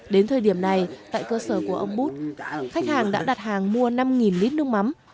đến thời điểm này tại cơ sở của ông bút khách hàng đã đặt hàng mua năm lít nước mắm